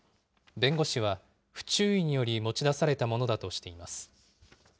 弁護士は不注意により持ち出されたものだとしています。